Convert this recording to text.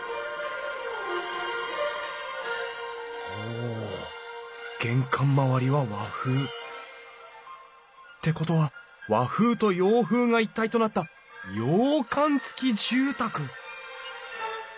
お玄関周りは和風。ってことは和風と洋風が一体となった洋館付き住宅！